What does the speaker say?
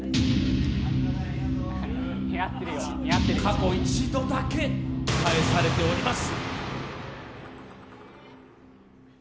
過去、一度だけ返されております。